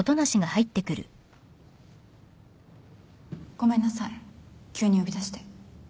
ごめんなさい急に呼び出して。